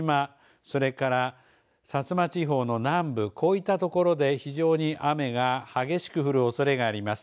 それから薩摩地方の南部こういったところで非常に雨が激しく降るおそれがあります。